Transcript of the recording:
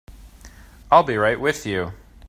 I'll be right with you.